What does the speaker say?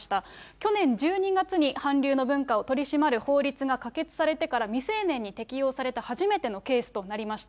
去年１２月に、韓流の文化を取り締まる法律が可決されてから、未成年に適用された初めてのケースとなりました。